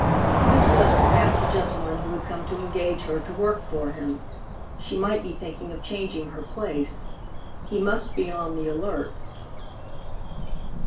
This was perhaps a gentleman who had come to engage her to work for him. She might be thinking of changing her place. He must be on the alert.